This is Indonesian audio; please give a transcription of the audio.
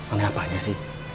aneh apanya sih